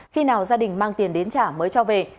khi nào gia đình mang tiền đến trả mới cho về